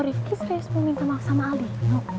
rifki serius mau minta maaf sama alin